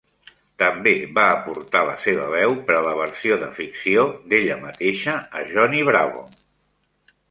També va aportar la seva veu per a la versió de ficció d'ella mateixa a "Johnny Bravo".